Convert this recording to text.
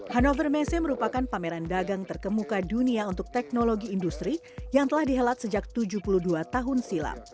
hannover messe merupakan pameran dagang terkemuka dunia untuk teknologi industri yang telah dihelat sejak tujuh puluh dua tahun silam